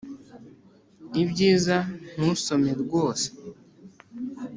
ibyiza ntusome rwose